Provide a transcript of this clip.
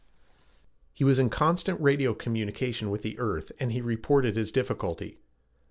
He was in constant radio communication with the earth and he reported his difficulty.